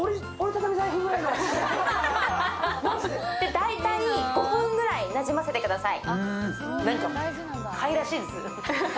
大体５分ぐらいなじませてください。